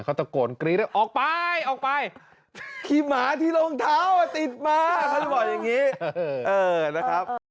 เขาตะโกนกรี๊ดออกไปออกไปขี่หมาที่รองเท้าติดมาเขาเลยบอกอย่างนี้นะครับ